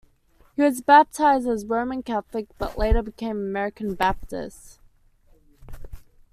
He was baptized as a Roman Catholic, but later became an American Baptist.